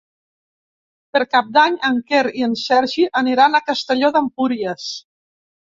Per Cap d'Any en Quer i en Sergi aniran a Castelló d'Empúries.